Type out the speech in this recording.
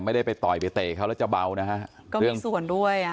ไม่ได้ไปต่อยไปเตะเขาแล้วจะเบานะฮะก็มีส่วนด้วยอ่ะ